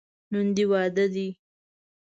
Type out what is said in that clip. نن دې واده دی.